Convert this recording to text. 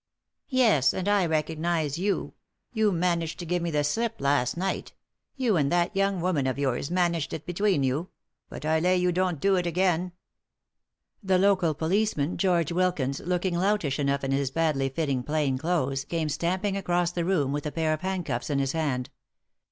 " Yes ; and I recognise you. You managed to give me the slip last night ; you and that young woman of yours managed it between you. But I lay you don't do it again." The local policeman, George Wilkins, looking loutish enough in his badly fitting plain clothes, came stamping across the room with a pair of handcuffs in his hand.